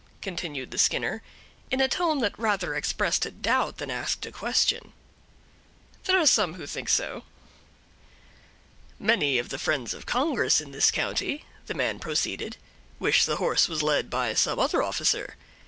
continued the Skinner, in a tone that rather expressed a doubt than asked a question. "There are some who think so." "Many of the friends of Congress in this county," the man proceeded, "wish the horse was led by some other officer.